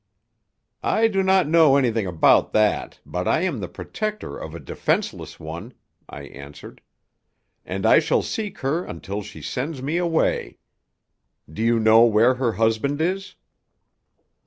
"I do not know anything about that, but I am the protector of a defenceless one," I answered, "and I shall seek her until she sends me away. Do you know where her husband is?"